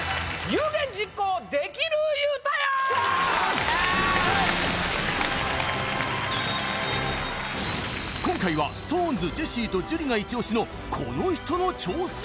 有言実行できる言うたやん今回はＳｉｘＴＯＮＥＳジェシーと樹がイチオシのこの人の挑戦